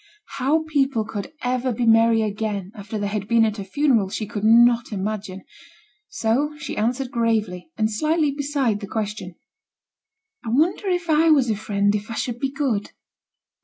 How people could ever be merry again after they had been at a funeral, she could not imagine; so she answered gravely, and slightly beside the question: 'I wonder if I was a Friend if I should be good?'